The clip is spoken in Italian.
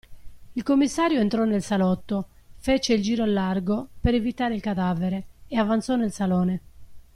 Il commissario entrò nel salotto, fece il giro largo, per evitare il cadavere, e avanzò nel salone.